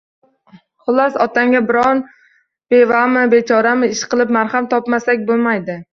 Xullas, otangga biror bevami, bechorami, ishqilib mahram topmasak bo`lmaydi